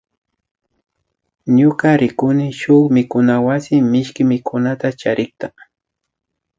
Ñuka rikuni shuk mikunawasi mishki mikunata charikma